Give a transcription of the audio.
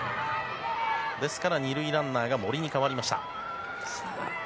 ですから、２塁ランナーが森に代わりました。